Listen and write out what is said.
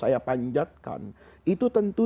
dia panjatkan itu tentu